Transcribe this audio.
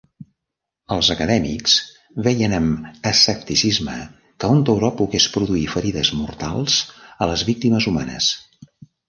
Els acadèmics veien amb escepticisme que un tauró pogués produir ferides mortals a les víctimes humanes.